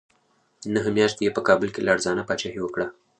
نهه میاشتې یې په کابل کې لړزانه پاچاهي وکړه.